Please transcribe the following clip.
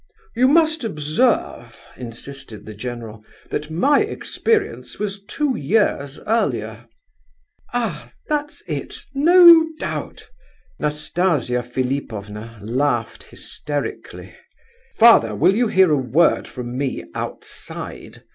"You must observe," insisted the general, "that my experience was two years earlier." "Ah! that's it, no doubt!" Nastasia Philipovna laughed hysterically. "Father, will you hear a word from me outside!"